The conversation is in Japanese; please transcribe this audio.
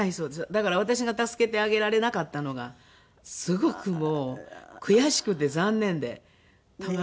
だから私が助けてあげられなかったのがすごくもう悔しくて残念でたまらないですね。